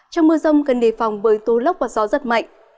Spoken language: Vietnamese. trong mưa rông cần đề phòng với tố lốc và gió rất mạnh